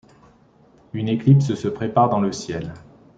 Une éclipse se prépare dans le ciel.